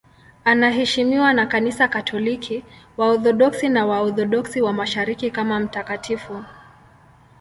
Anaheshimiwa na Kanisa Katoliki, Waorthodoksi na Waorthodoksi wa Mashariki kama mtakatifu.